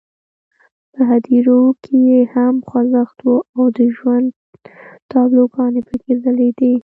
په هدیرو کې یې هم خوځښت وو او د ژوند تابلوګانې پکې ځلېدې.